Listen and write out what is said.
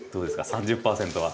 ３０％は。